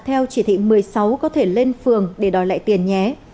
theo chỉ thị một mươi sáu có thể lên phường để đòi lại tiền nhé